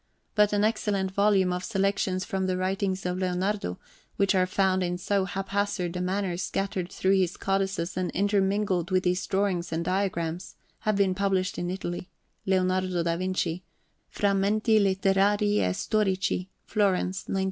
But an excellent volume of selections from the writings of Leonardo, which are found in so haphazard a manner scattered through his codices and intermingled with his drawings and diagrams, has been published in Italy (Leonardo da Vinci: Frammenti Letterari e Storici, Florence, 1900).